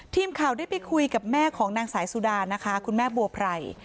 ทีมข่าวได้ไปคุยกับแม่ของนางสายสุดานะคะคุณแม่บัวไพร